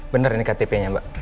benar ini ktp nya mbak